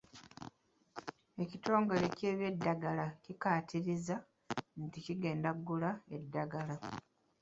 Ekitongole ky’ebyeddagala kikkaatirizza nti kigenda kugula eddagala.